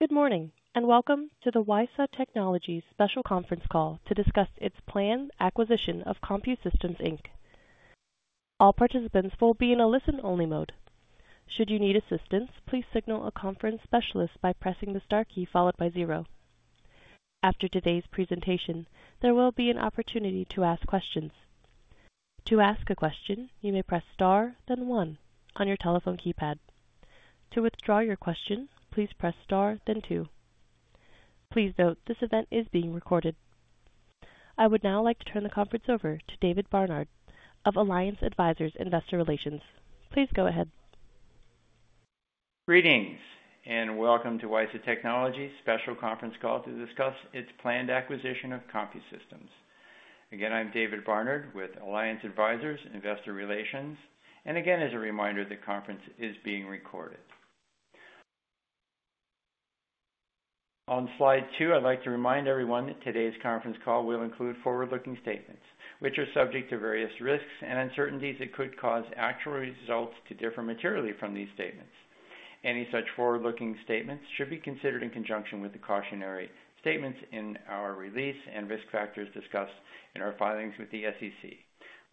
Good morning and welcome to the WiSA Technologies special conference call to discuss its planned acquisition of CompuSystems Inc. All participants will be in a listen-only mode. Should you need assistance, please signal a conference specialist by pressing the star key followed by zero. After today's presentation, there will be an opportunity to ask questions. To ask a question, you may press star, then one on your telephone keypad. To withdraw your question, please press star, then two. Please note this event is being recorded. I would now like to turn the conference over to David Barnard of Alliance Advisors Investor Relations. Please go ahead. Greetings and welcome to WiSA Technologies special conference call to discuss its planned acquisition of CompuSystems. Again, I'm David Barnard with Alliance Advisors Investor Relations, and again, as a reminder, the conference is being recorded. On slide two, I'd like to remind everyone that today's conference call will include forward-looking statements which are subject to various risks and uncertainties that could cause actual results to differ materially from these statements. Any such forward-looking statements should be considered in conjunction with the cautionary statements in our release and risk factors discussed in our filings with the SEC.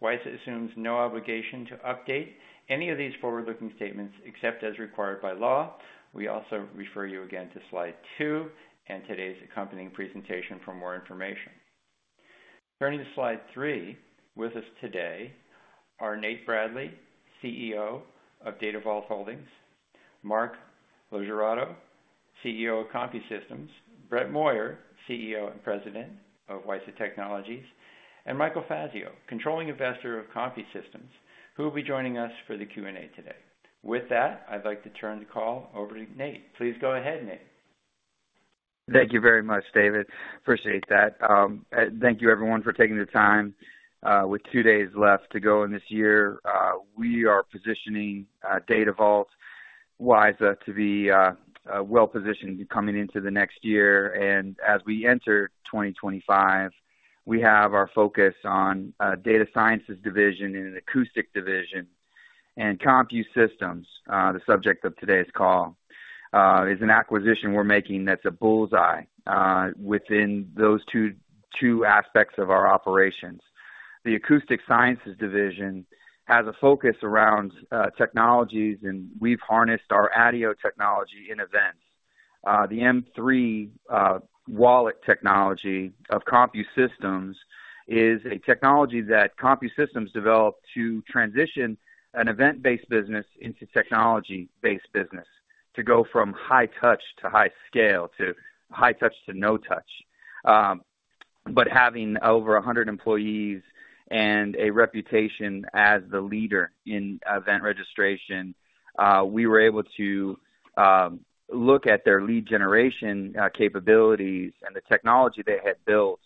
WiSA assumes no obligation to update any of these forward-looking statements except as required by law. We also refer you again to slide two and today's accompanying presentation for more information. Turning to slide three, with us today are Nate Bradley, CEO of DataVault Holdings; Mark LoGiurato, CEO of CompuSystems; Brett Moyer, CEO and President of WiSA Technologies; and Michael Fazio, Controlling Investor of CompuSystems, who will be joining us for the Q&A today. With that, I'd like to turn the call over to Nate. Please go ahead, Nate. Thank you very much, David. Appreciate that. Thank you, everyone, for taking the time. With two days left to go in this year, we are positioning DataVault WiSA to be well-positioned coming into the next year. And as we enter 2025, we have our focus on Data Sciences Division and Acoustic Division. And CompuSystems, the subject of today's call, is an acquisition we're making that's a bull's-eye within those two aspects of our operations. The Acoustic Sciences Division has a focus around technologies, and we've harnessed our ADIO technology in events. The M3 wallet technology of CompuSystems is a technology that CompuSystems developed to transition an event-based business into technology-based business, to go from high touch to high scale to high touch to no touch. Having over 100 employees and a reputation as the leader in event registration, we were able to look at their lead generation capabilities, and the technology they had built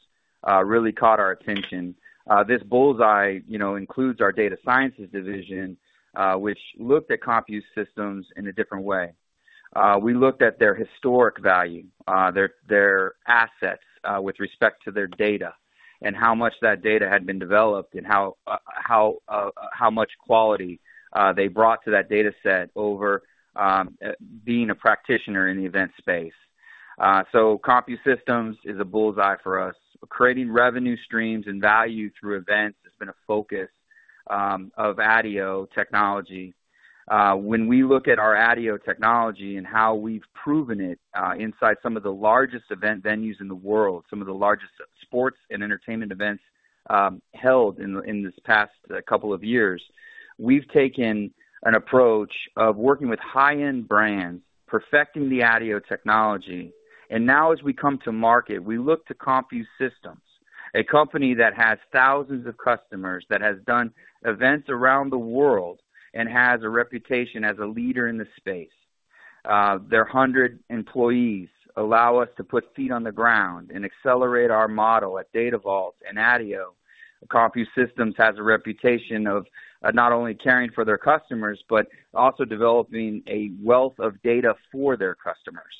really caught our attention. This bull's-eye includes our Data Sciences Division, which looked at CompuSystems in a different way. We looked at their historic value, their assets with respect to their data, and how much that data had been developed and how much quality they brought to that dataset over being a practitioner in the event space. CompuSystems is a bull's-eye for us. Creating revenue streams and value through events has been a focus of ADIO technology. When we look at our ADIO technology and how we've proven it inside some of the largest event venues in the world, some of the largest sports and entertainment events held in this past couple of years, we've taken an approach of working with high-end brands, perfecting the SDIO technology, and now, as we come to market, we look to CompuSystems, a company that has thousands of customers, that has done events around the world, and has a reputation as a leader in the space. Their 100 employees allow us to put feet on the ground and accelerate our model at DataVault and ADIO. CompuSystems has a reputation of not only caring for their customers but also developing a wealth of data for their customers.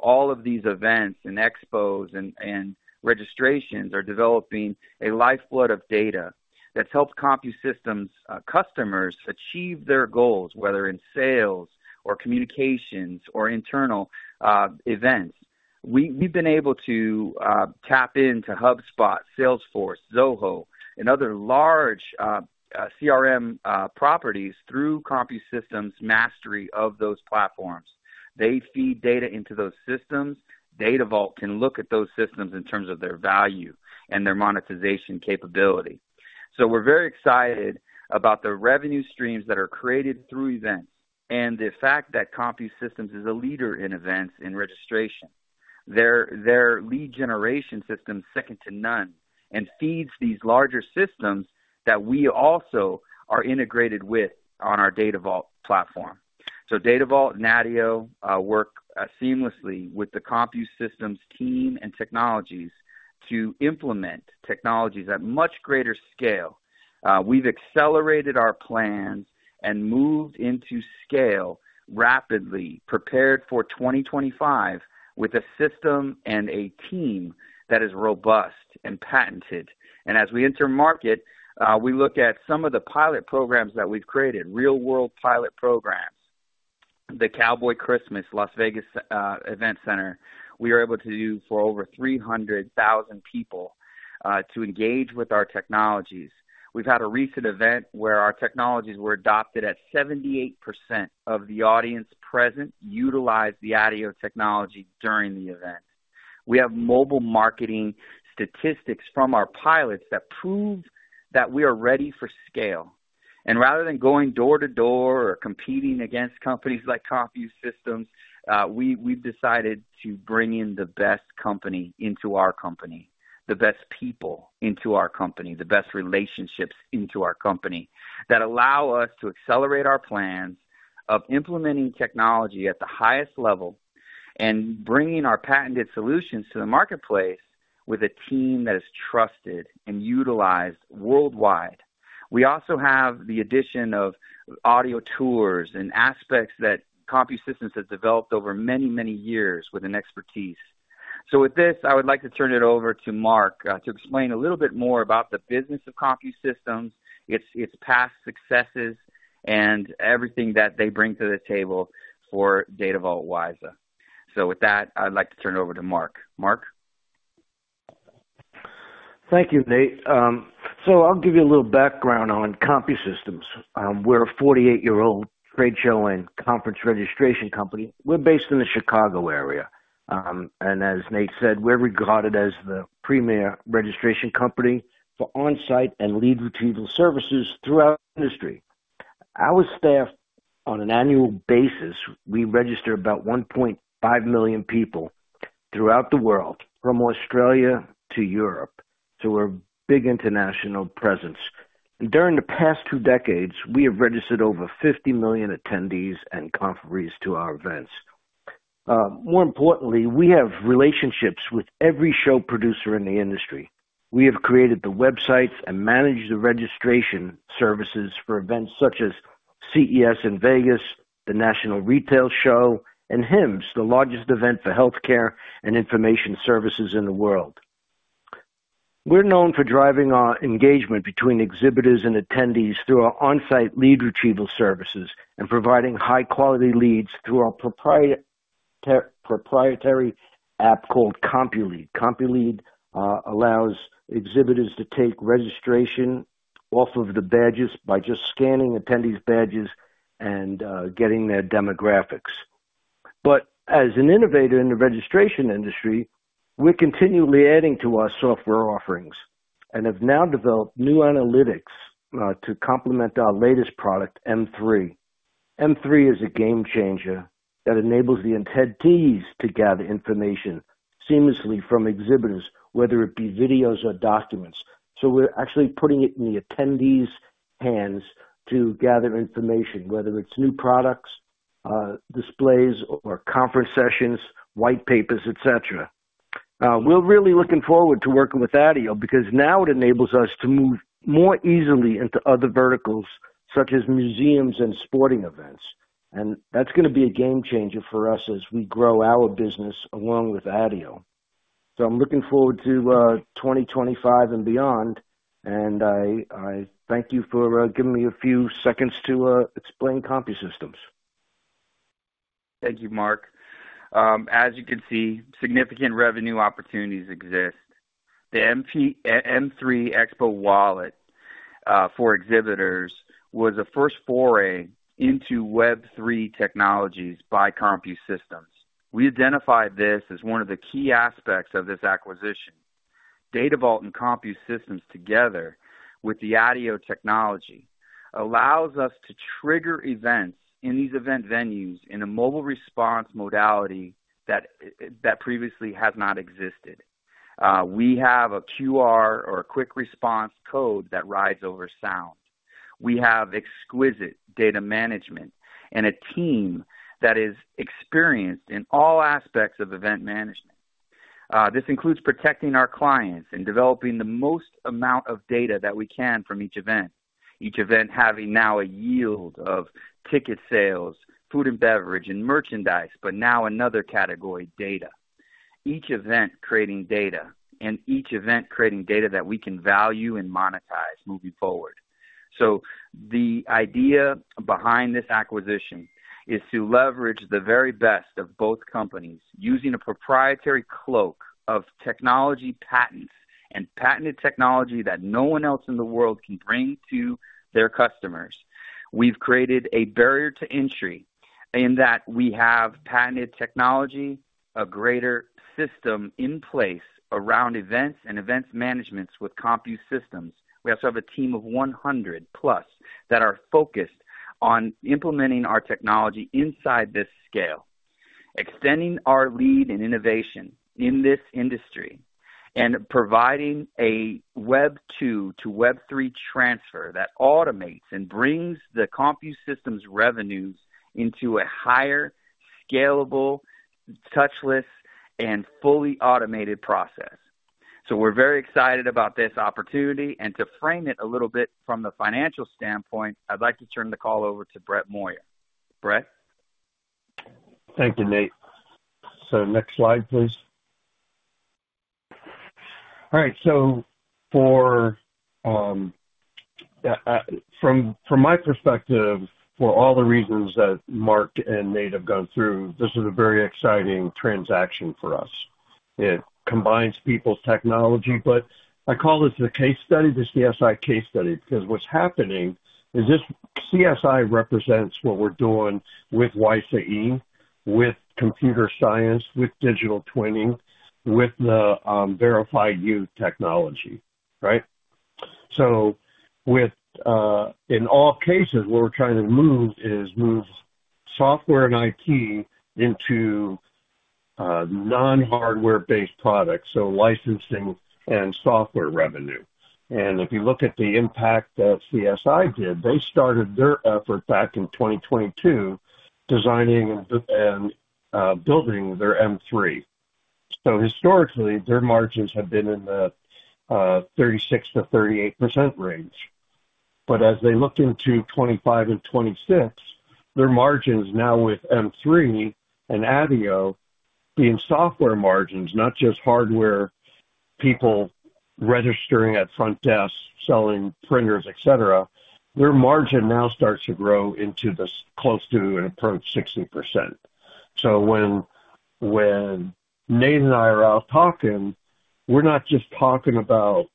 All of these events and expos and registrations are developing a lifeblood of data that's helped CompuSystems customers achieve their goals, whether in sales or communications or internal events. We've been able to tap into HubSpot, Salesforce, Zoho, and other large CRM properties through CompuSystems' mastery of those platforms. They feed data into those systems. DataVault can look at those systems in terms of their value and their monetization capability. So we're very excited about the revenue streams that are created through events and the fact that CompuSystems is a leader in events and registration. Their lead generation system is second to none and feeds these larger systems that we also are integrated with on our DataVault platform. So DataVault and ADIO work seamlessly with the CompuSystems team and technologies to implement technologies at much greater scale. We've accelerated our plans and moved into scale rapidly, prepared for 2025 with a system and a team that is robust and patented. As we enter market, we look at some of the pilot programs that we've created, real-world pilot programs. The Cowboy Christmas Las Vegas Event Center, we were able to do for over 300,000 people to engage with our technologies. We've had a recent event where our technologies were adopted at 78% of the audience present utilized the audio technology during the event. We have mobile marketing statistics from our pilots that prove that we are ready for scale. And rather than going door-to-door or competing against companies like CompuSystems, we've decided to bring in the best company into our company, the best people into our company, the best relationships into our company that allow us to accelerate our plans of implementing technology at the highest level and bringing our patented solutions to the marketplace with a team that is trusted and utilized worldwide. We also have the addition of audio tours and aspects that CompuSystems has developed over many, many years with an expertise. So with this, I would like to turn it over to Mark to explain a little bit more about the business of CompuSystems, its past successes, and everything that they bring to the table for DataVault WiSA. So with that, I'd like to turn it over to Mark. Mark? Thank you, Nate, so I'll give you a little background on CompuSystems. We're a 48-year-old trade show and conference registration company. We're based in the Chicago area, and as Nate said, we're regarded as the premier registration company for on-site and lead retrieval services throughout the industry. Our staff, on an annual basis, we register about 1.5 million people throughout the world from Australia to Europe, so we're a big international presence, and during the past two decades, we have registered over 50 million attendees and conference to our events. More importantly, we have relationships with every show producer in the industry. We have created the websites and managed the registration services for events such as CES in Vegas, the National Retail Show, and HIMSS, the largest event for healthcare and information services in the world. We're known for driving our engagement between exhibitors and attendees through our on-site lead retrieval services and providing high-quality leads through our proprietary app called CompuLEAD. CompuLEAD allows exhibitors to take registration off of the badges by just scanning attendees' badges and getting their demographics, but as an innovator in the registration industry, we're continually adding to our software offerings and have now developed new analytics to complement our latest product, M3. M3 is a game changer that enables the attendees to gather information seamlessly from exhibitors, whether it be videos or documents, so we're actually putting it in the attendees' hands to gather information, whether it's new products, displays, or conference sessions, white papers, etc. We're really looking forward to working with ADIO because now it enables us to move more easily into other verticals such as museums and sporting events. And that's going to be a game changer for us as we grow our business along with ADIO. So I'm looking forward to 2025 and beyond. And I thank you for giving me a few seconds to explain CompuSystems. Thank you, Mark. As you can see, significant revenue opportunities exist. The M3 Expo Wallet for exhibitors was a first foray into Web3 technologies by CompuSystems. We identified this as one of the key aspects of this acquisition. DataVault and CompuSystems together with the ADIO technology allows us to trigger events in these event venues in a mobile response modality that previously has not existed. We have a QR or a quick response code that rides over sound. We have exquisite data management and a team that is experienced in all aspects of event management. This includes protecting our clients and developing the most amount of data that we can from each event, each event having now a yield of ticket sales, food and beverage, and merchandise, but now another category, data. Each event creating data that we can value and monetize moving forward. The idea behind this acquisition is to leverage the very best of both companies using a proprietary cloud of technology patents and patented technology that no one else in the world can bring to their customers. We've created a barrier to entry in that we have patented technology, a greater system in place around events and event management with CompuSystems. We also have a team of 100-plus that are focused on implementing our technology inside this scale, extending our lead and innovation in this industry, and providing a Web2 to Web3 transfer that automates and brings the CompuSystems revenues into a higher scalable, touchless, and fully automated process. We're very excited about this opportunity. To frame it a little bit from the financial standpoint, I'd like to turn the call over to Brett Moyer. Brett. Thank you, Nate. So next slide, please. All right. So from my perspective, for all the reasons that Mark and Nate have gone through, this is a very exciting transaction for us. It combines CompuSystems technology, but I call this a case study, the CompuSystems case study, because what's happening is this CompuSystems represents what we're doing with WiSA, with CompuSystems, with digital twinning, with the Verifi technology, right? So in all cases, what we're trying to move is move software and IT into non-hardware-based products, so licensing and software revenue. And if you look at the impact that CompuSystems did, they started their effort back in 2022 designing and building their M3. So historically, their margins have been in the 36%-38% range. But as they look into 2025 and 2026, their margins now with M3 and ADIO being software margins, not just hardware people registering at front desk, selling printers, etc., their margin now starts to grow into close to and approach 60%. So when Nate and I are out talking, we're not just talking about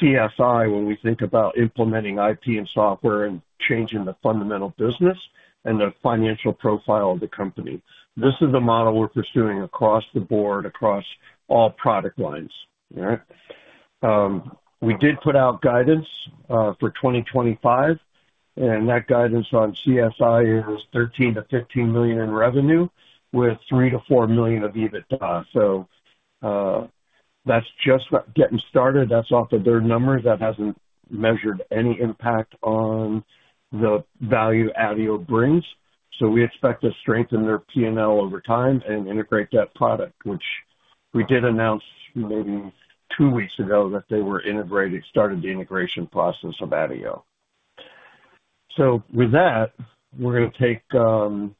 CSI when we think about implementing IT and software and changing the fundamental business and the financial profile of the company. This is the model we're pursuing across the board, across all product lines, all right? We did put out guidance for 2025, and that guidance on CSI is $13-15 million in revenue with $3-4 million of EBITDA. So that's just getting started. That's off of their numbers. That hasn't measured any impact on the value ADIO brings. So, we expect to strengthen their P&L over time and integrate that product, which we did announce maybe two weeks ago that they were integrated, started the integration process of ADIO. So with that, we're going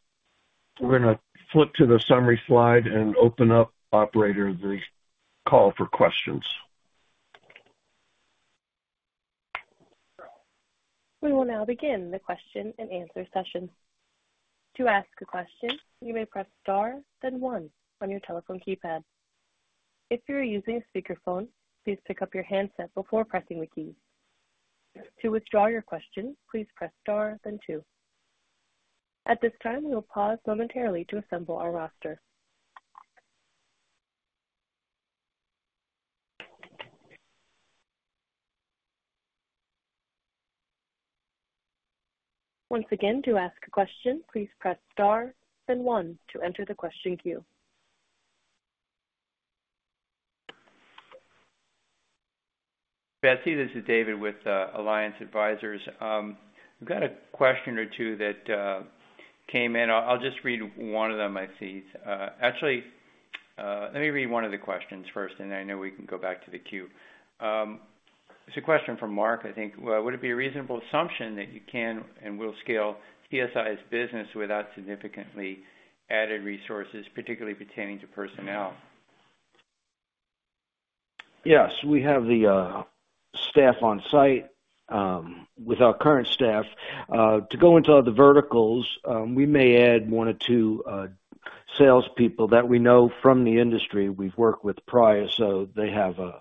to flip to the summary slide and open up, operator, the call for questions. We will now begin the question and answer session. To ask a question, you may press star, then one on your telephone keypad. If you're using a speakerphone, please pick up your handset before pressing the keys. To withdraw your question, please press star, then two. At this time, we will pause momentarily to assemble our roster. Once again, to ask a question, please press star, then one to enter the question queue. Betsy, this is David with Alliance Advisors. We've got a question or two that came in. I'll just read one of them, I see. Actually, let me read one of the questions first, and then I know we can go back to the queue. It's a question from Mark, I think. Would it be a reasonable assumption that you can and will scale CSI's business without significantly added resources, particularly pertaining to personnel? Yes. We have the staff on site with our current staff. To go into other verticals, we may add one or two salespeople that we know from the industry we've worked with prior, so they have a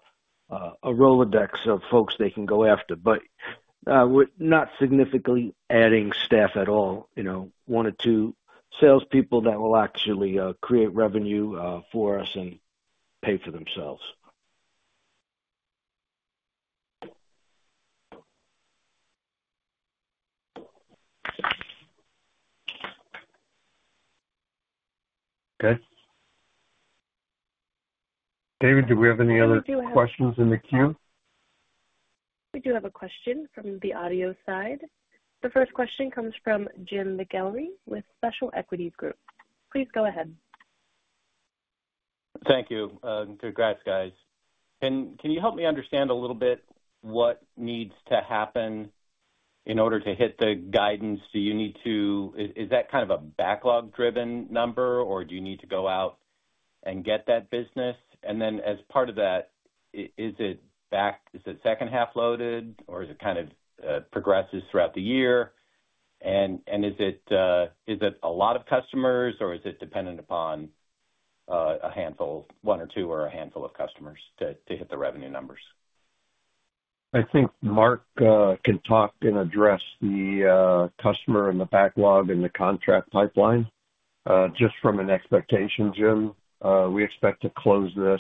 Rolodex of folks they can go after. But we're not significantly adding staff at all. One or two salespeople that will actually create revenue for us and pay for themselves. Okay. David, do we have any other questions in the queue? We do have a question from the audio side. The first question comes from Jim McIlree with Special Equities Group. Please go ahead. Thank you. Congrats, guys. Can you help me understand a little bit what needs to happen in order to hit the guidance? Is that kind of a backlog-driven number, or do you need to go out and get that business? And then as part of that, is it second half loaded, or is it kind of progresses throughout the year? And is it a lot of customers, or is it dependent upon a handful, one or two or a handful of customers to hit the revenue numbers? I think Mark can talk and address the customer and the backlog and the contract pipeline. Just from an expectation, Jim, we expect to close this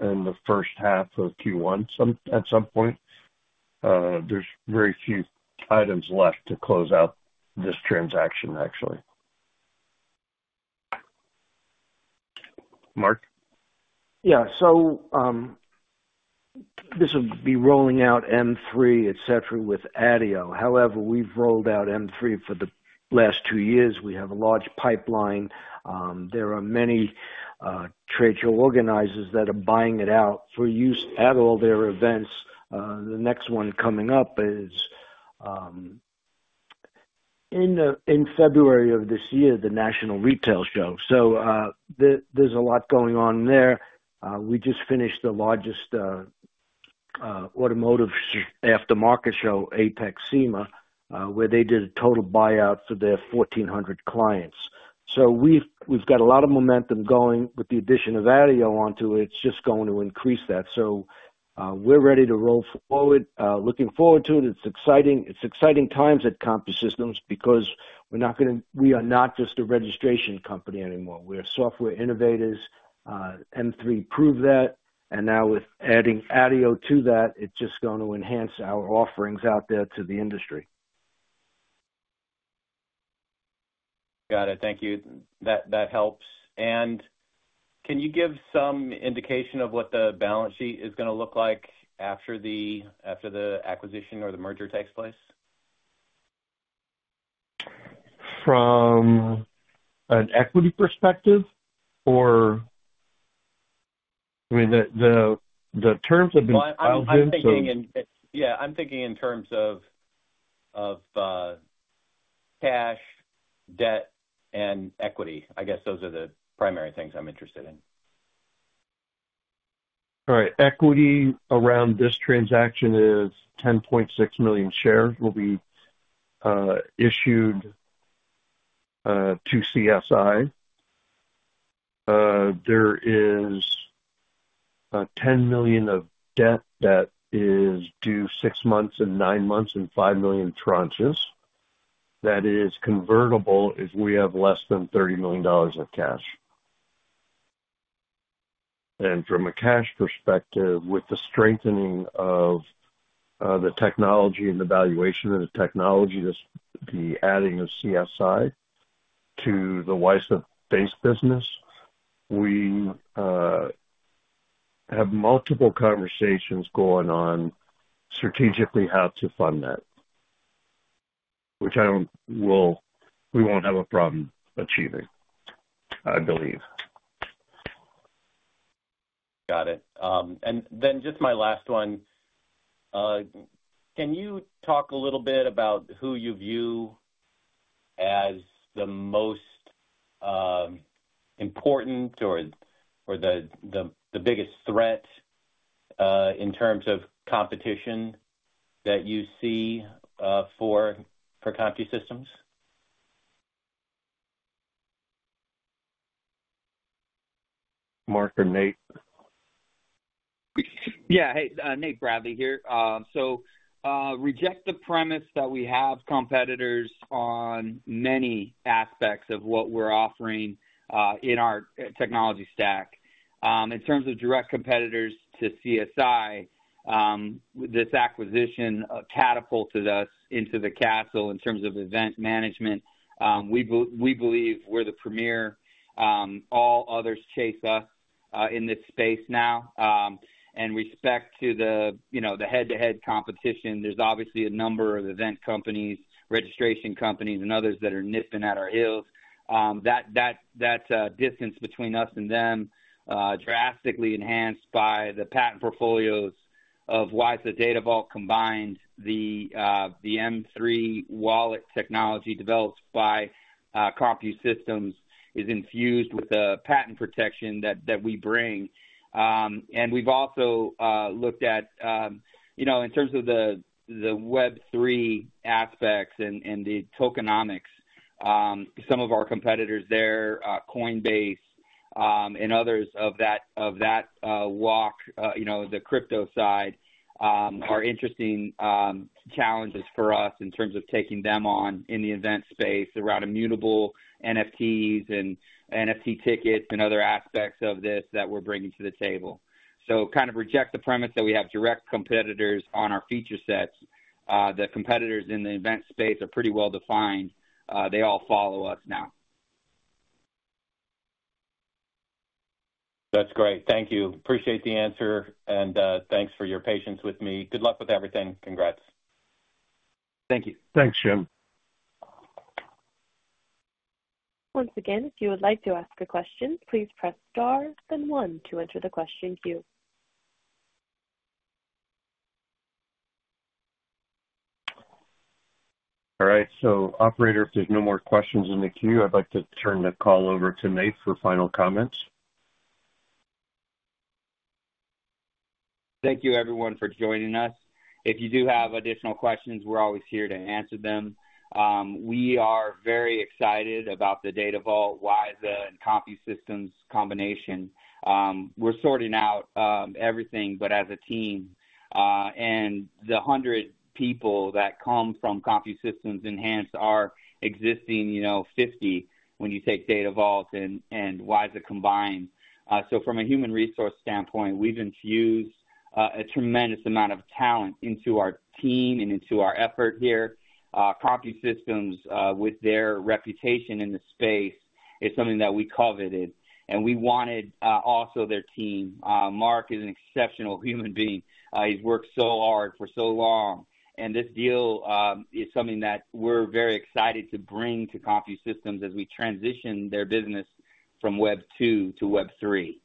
in the first half of Q1 at some point. There's very few items left to close out this transaction, actually. Mark? Yeah, so this will be rolling out M3, etc., with ADIO. However, we've rolled out M3 for the last two years. We have a large pipeline. There are many trade show organizers that are buying it out for use at all their events. The next one coming up is in February of this year, the National Retail Show, so there's a lot going on there. We just finished the largest automotive aftermarket show, AAPEX SEMA, where they did a total buyout for their 1,400 clients, so we've got a lot of momentum going. With the addition of ADIO onto it, it's just going to increase that. So we're ready to roll forward. Looking forward to it. It's exciting. It's exciting times at CompuSystems because we're not just a registration company anymore. We're software innovators. M3 proved that. And now with adding ADIO to that, it's just going to enhance our offerings out there to the industry. Got it. Thank you. That helps. And can you give some indication of what the balance sheet is going to look like after the acquisition or the merger takes place? From an equity perspective, or I mean, the terms have been filed in. Yeah. I'm thinking in terms of cash, debt, and equity. I guess those are the primary things I'm interested in. All right. Equity around this transaction is 10.6 million shares will be issued to CSI. There is $10 million of debt that is due six months and nine months and $5 million tranches that is convertible if we have less than $30 million of cash. From a cash perspective, with the strengthening of the technology and the valuation of the technology, the adding of CSI to the WiSA-based business, we have multiple conversations going on strategically how to fund that, which we won't have a problem achieving, I believe. Got it. And then just my last one. Can you talk a little bit about who you view as the most important or the biggest threat in terms of competition that you see for CompuSystems? Mark or Nate? Yeah. Hey, Nate Bradley here. So reject the premise that we have competitors on many aspects of what we're offering in our technology stack. In terms of direct competitors to CSI, this acquisition catapulted us into the castle in terms of event management. We believe we're the premier. All others chase us in this space now. And respect to the head-to-head competition, there's obviously a number of event companies, registration companies, and others that are nipping at our heels. That distance between us and them drastically enhanced by the patent portfolios of WiSA, DataVault combined, the M3 wallet technology developed by CompuSystems is infused with the patent protection that we bring. And we've also looked at, in terms of the Web3 aspects and the tokenomics, some of our competitors there, Coinbase and others of that ilk, the crypto side, are interesting challenges for us in terms of taking them on in the event space around immutable NFTs and NFT tickets and other aspects of this that we're bringing to the table. So kind of reject the premise that we have direct competitors on our feature sets. The competitors in the event space are pretty well defined. They all follow us now. That's great. Thank you. Appreciate the answer. And thanks for your patience with me. Good luck with everything. Congrats. Thank you. Thanks, Jim. Once again, if you would like to ask a question, please press star, then one to enter the question queue. All right. So operator, if there's no more questions in the queue, I'd like to turn the call over to Nate for final comments. Thank you, everyone, for joining us. If you do have additional questions, we're always here to answer them. We are very excited about the DataVault, WiSA, and CompuSystems combination. We're sorting out everything, but as a team. And the 100 people that come from CompuSystems enhance our existing 50 when you take DataVault and WiSA combined. So from a human resource standpoint, we've infused a tremendous amount of talent into our team and into our effort here. CompuSystems, with their reputation in the space, is something that we coveted. And we wanted also their team. Mark is an exceptional human being. He's worked so hard for so long. And this deal is something that we're very excited to bring to CompuSystems as we transition their business from Web2 to Web3.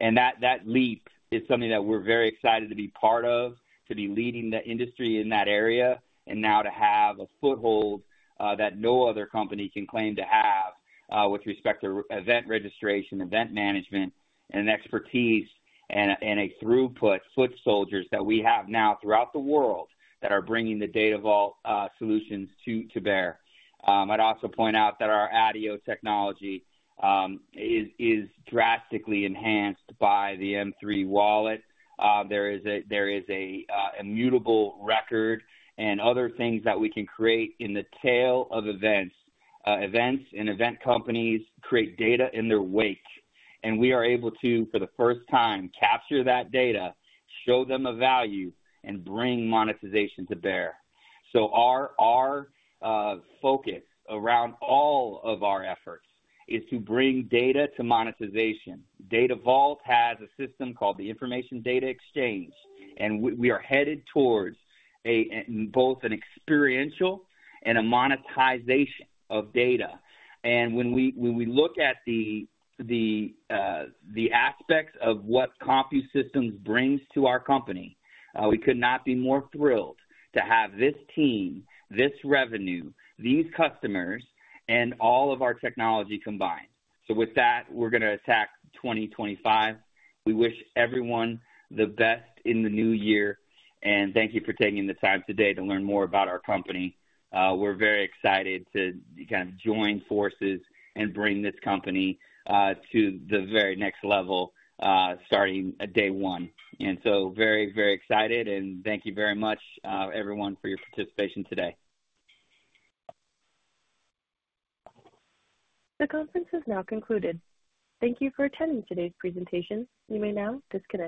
And that leap is something that we're very excited to be part of, to be leading the industry in that area, and now to have a foothold that no other company can claim to have with respect to event registration, event management, and expertise, and a throughput, foot soldiers that we have now throughout the world that are bringing the DataVault solutions to bear. I'd also point out that our ADIO technology is drastically enhanced by the M3 wallet. There is an immutable record and other things that we can create in the tail of events. Events and event companies create data in their wake. And we are able to, for the first time, capture that data, show them a value, and bring monetization to bear. So our focus around all of our efforts is to bring data to monetization. DataVault has a system called the Information Data Exchange. We are headed towards both an experiential and a monetization of data. When we look at the aspects of what CompuSystems brings to our company, we could not be more thrilled to have this team, this revenue, these customers, and all of our technology combined. With that, we're going to attack 2025. We wish everyone the best in the new year. Thank you for taking the time today to learn more about our company. We're very excited to kind of join forces and bring this company to the very next level starting at day one. We are very, very excited. Thank you very much, everyone, for your participation today. The conference has now concluded. Thank you for attending today's presentation. You may now disconnect.